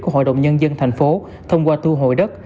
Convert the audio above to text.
của hnth thông qua thu hội đất